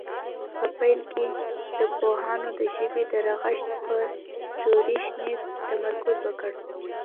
په پیل کې ژبپوهانو د ژبې د رغښت په صوري شننې تمرکز وکړ